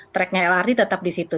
tracknya lrt tetap di situ